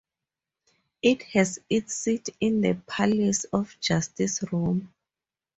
It has its seat in the Palace of Justice, Rome.